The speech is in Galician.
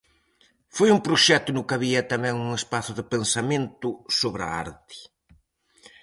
Foi un proxecto no que había tamén un espazo de pensamento sobre a arte.